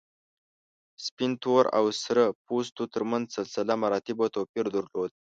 سپین، تور او سره پوستو تر منځ سلسله مراتبو توپیر درلود.